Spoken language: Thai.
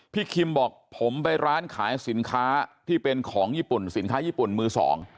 คิมบอกผมไปร้านขายสินค้าที่เป็นของญี่ปุ่นสินค้าญี่ปุ่นมือสอง